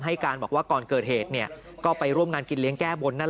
ให้การบอกว่าก่อนเกิดเหตุเนี่ยก็ไปร่วมงานกินเลี้ยงแก้บนนั่นแหละ